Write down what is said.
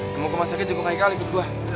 yang mau kemas sakit jenguk haikel ikut buah